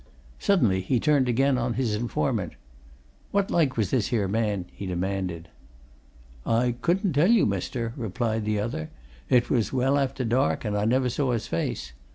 Suddenly he turned again on his informant. "What like was this here man?" he demanded. "I couldn't tell you, mister," replied the other. "It was well after dark and I never saw his face.